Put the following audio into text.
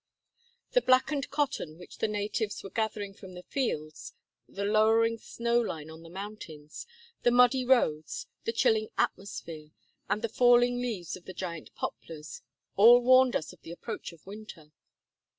The blackened cotton which the natives were gathering from the fields, the lowering snow line on the mountains, the muddy roads, the chilling atmosphere, and the falling leaves of the giant poplars — all warned us of the approach of winter.